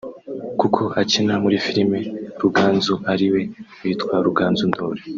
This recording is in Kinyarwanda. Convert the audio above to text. kuko akina muri Filime Ruganzu ari we witwa Ruganzu Ndori